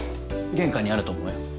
玄関にあると思うよ。